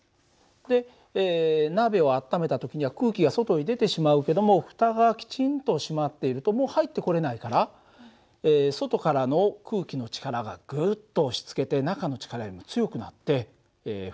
で鍋を温めた時には空気が外へ出てしまうけどもふたがきちんと閉まっているともう入ってこれないから外からの空気の力がグッと押しつけて中の力よりも強くなってふたが取れない訳だよ。